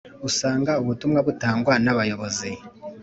usanga ubutumwa butangwa n abayobozi